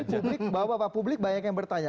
publik bahwa bapak publik banyak yang bertanya